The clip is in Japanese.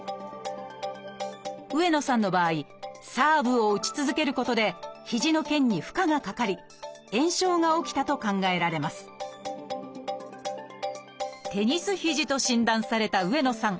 上野さんの場合サーブを打ち続けることで肘の腱に負荷がかかり炎症が起きたと考えられます「テニス肘」と診断された上野さん。